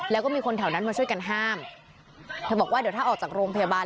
แล้วก็มีคนแถวนั้นมาช่วยกันห้ามเธอบอกว่าเดี๋ยวถ้าออกจากโรงพยาบาล